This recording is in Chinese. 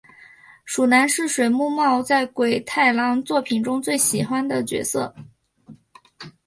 鼠男是水木茂在鬼太郎作品中最喜爱的角色。